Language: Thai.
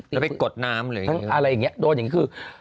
แล้วไปกดน้ำหรืออะไรอย่างนี้โดนอย่างนี้คือ